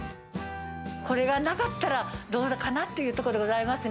これがなかったら、どうかなっていうところでございますね。